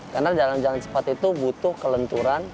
karena dalam jalan cepat itu butuh kelenturan